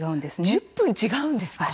１０分違うんですか。